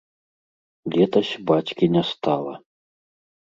Летась бацькі не стала.